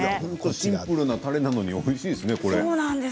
シンプルなたれなのにおいしいですね。